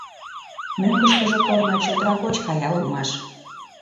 Мӧҥгышкыжӧ корно чодыра гоч кая улмаш.